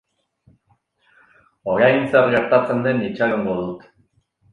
Orain zer gertatzen den itxarongo dut.